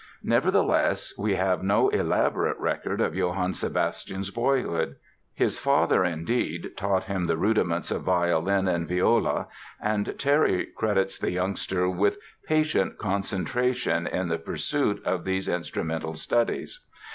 Nevertheless, we have no elaborate record of Johann Sebastian's boyhood. His father, indeed, taught him the rudiments of violin and viola, and Terry credits the youngster with "patient concentration" in the pursuit of these instrumental studies.